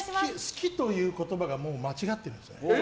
好きという言葉が間違っているんですね。